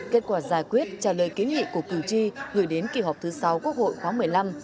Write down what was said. kết quả giải quyết trả lời kiến nghị của cử tri gửi đến kỳ họp thứ sáu quốc hội khoáng một mươi năm